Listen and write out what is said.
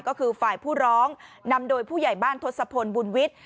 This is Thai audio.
ก็คือฝ่ายผู้ร้องนำโดยผู้ใหญ่บ้านทศพลบุญวิทย์